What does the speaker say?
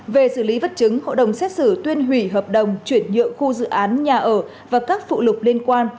về xử lý vật chứng hội đồng xét xử tuyên hủy hợp đồng chuyển nhượng khu dự án nhà ở và các phụ lục liên quan